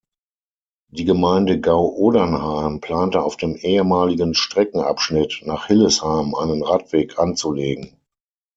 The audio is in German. Die Gemeinde Gau-Odernheim plante auf dem ehemaligen Streckenabschnitt nach Hillesheim einen Radweg anzulegen.